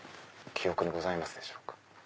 記憶にございますでしょうか？